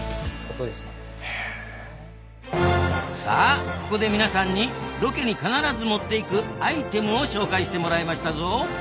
さあここで皆さんにロケに必ず持っていくアイテムを紹介してもらいましたぞ。